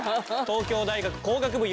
東京大学工学部